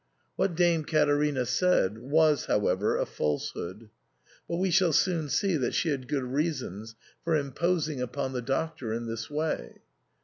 What Dame Caterina said was, however, a false hood ; but we shall soon see that she had good reasons for imposing upon the Doctor in this way.